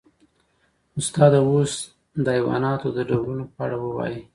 استاده اوس د حیواناتو د ډولونو په اړه ووایئ